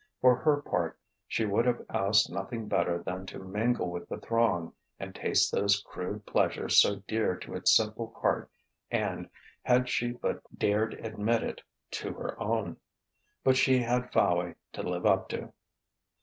For her part, she would have asked nothing better than to mingle with the throng and taste those crude pleasures so dear to its simple heart and, had she but dared admit it, to her own. But she had Fowey to live up to.